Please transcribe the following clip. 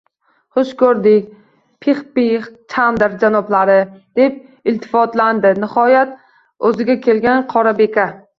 – Xush ko‘rdik, Pixpix Chandr janoblari! – deb iltifotlandi, nihoyat o‘ziga kelgan Qorabeka